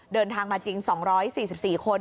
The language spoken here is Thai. เดินทางมาจริง๒๔๔คน